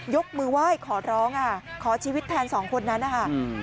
ยกมือไหว้ขอร้องขอชีวิตแทนสองคนนั้นนะคะ